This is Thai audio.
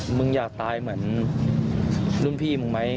มึงอยากตายเหมือนรุ่นพี่มึงไหม